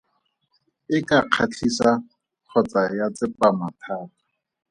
E ka kgatlhisa kgotsa ya tsepama thata.